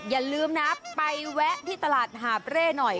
อย่าลืมนะไปแวะที่ตลาดหาบเร่หน่อย